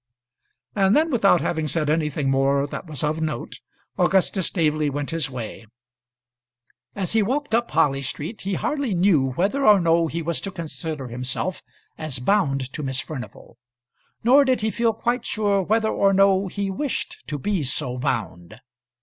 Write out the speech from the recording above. And then, without having said anything more that was of note, Augustus Staveley went his way. As he walked up Harley Street, he hardly knew whether or no he was to consider himself as bound to Miss Furnival; nor did he feel quite sure whether or no he wished to be so bound.